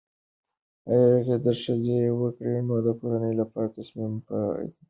که ښځه زده کړه وکړي، نو د کورنۍ لپاره تصمیمونه په اعتماد نیسي.